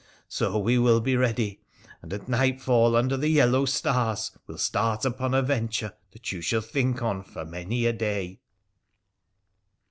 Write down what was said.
So we will be ready ; and at nightfall, under the yellow stars, will start upon a venture that you shall think on for many a day.'